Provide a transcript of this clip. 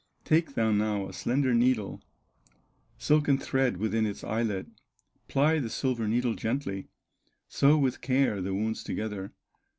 Take thou now a slender needle, Silken thread within its eyelet, Ply the silver needle gently, Sew with care the wounds together.